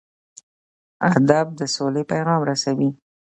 ادب د سولې پیغام رسوي.